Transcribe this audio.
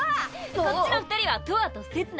こっちの２人はとわとせつな。